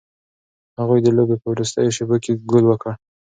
هغوی د لوبې په وروستیو شیبو کې ګول وکړ.